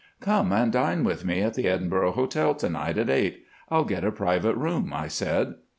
"Come and dine with me at the Edinburgh Hotel to night at eight. I'll get a private room," I said.